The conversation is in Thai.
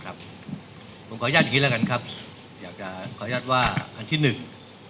ผมขออนุญาตอย่างงี้แล้วกันครับอยากจะขออนุญาตว่าอันที่หนึ่ง